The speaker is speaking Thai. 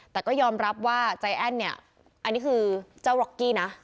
แต่ก็ยอมรับว่าใจแอ้นเนี่ยอันนี้คือเจ้าล็อกกี้นะ